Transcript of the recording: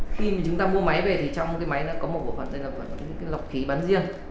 khi chúng ta mua máy về trong máy có một bộ phần là lọc khí bắn riêng